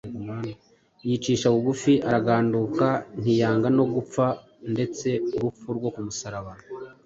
yicisha bugufi, araganduka, ntiyanga no gupfa, ndetse urupfu rwo kumusaraba